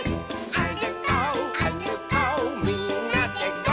「あるこうあるこうみんなでゴー！」